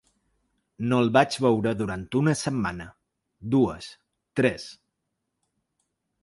No el vaig veure durant una setmana, dues, tres.